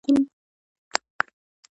ایا زه باید سره مرچ وخورم؟